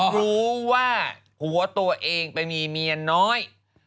รู้ว่าผัวตัวเองไปมีเมียน้อย